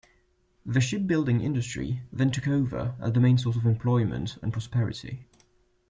The shipbuilding industry then took over as the main source of employment and prosperity.